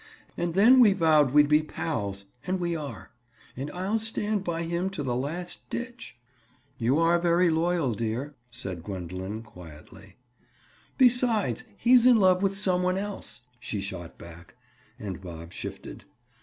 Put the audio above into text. "And then we vowed we'd be pals and we are. And I'll stand by him to the last ditch." "You are very loyal, dear," said Gwendoline quietly. "Besides, he's in love with some one else," she shot back, and Bob shifted.